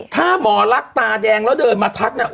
ถ้าหมอลักษณ์ตาแดงแล้วเดินมาทักเนี่ย